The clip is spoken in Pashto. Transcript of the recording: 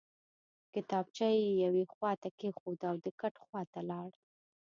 کتابچه یې یوې خواته کېښوده او د کټ خواته لاړ